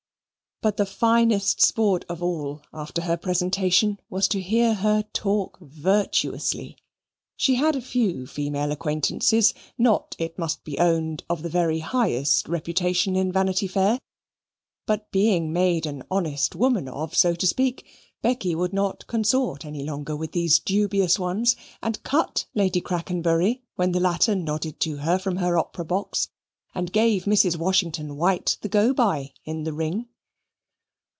But the finest sport of all after her presentation was to hear her talk virtuously. She had a few female acquaintances, not, it must be owned, of the very highest reputation in Vanity Fair. But being made an honest woman of, so to speak, Becky would not consort any longer with these dubious ones, and cut Lady Crackenbury when the latter nodded to her from her opera box, and gave Mrs. Washington White the go by in the Ring.